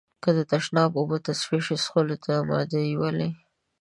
که د تشناب اوبه تصفيه شي، څښلو ته يې آماده يئ؟ ولې؟